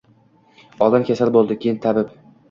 Oldin kasal boʻldi, keyin tabib